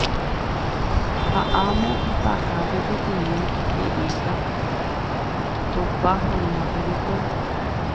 Ha amo ipahápe peteĩ he'íta topa hag̃ua pericón